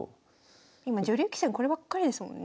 今女流棋士はこればっかりですもんね。